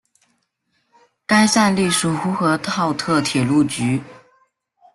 该站隶属呼和浩特铁路局。